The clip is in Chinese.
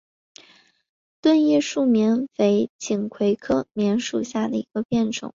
钝叶树棉为锦葵科棉属下的一个变种。